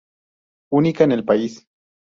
Única en el país.